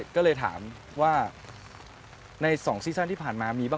คุณต้องเป็นผู้งาน